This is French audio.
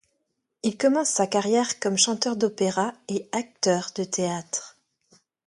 Il commence sa carrière comme chanteur d'opéra et acteur de théâtre.